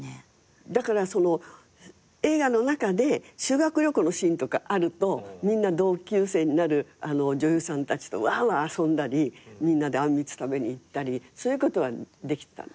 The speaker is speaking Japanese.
だから映画の中で修学旅行のシーンとかあるとみんな同級生になる女優さんたちとワーワー遊んだりみんなであんみつ食べに行ったりそういうことはできてたんですよね。